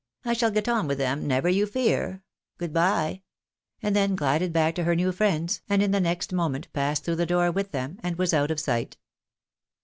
I shall get on with them, never you fear. Good by, " and then glided back to her new friends, and in the next moment passed through the door with them, and was out of sight.